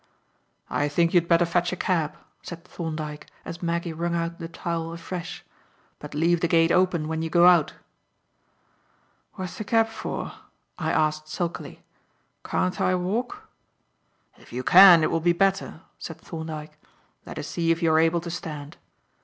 "I think you'd better fetch a cab," said Thorndyke, as Maggie wrung out the towel afresh; "but leave the gate open when you go out." "Wasser cab for?" I asked sulkily. "Can't I walk?" "If you can, it will be better," said Thorndyke. "Let us see if you are able to stand."